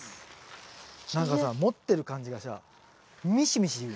何かさ持ってる感じがさミシミシいうね。